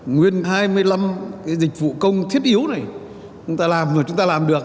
nguyên hai mươi năm cái dịch vụ công thiết yếu này chúng ta làm rồi chúng ta làm được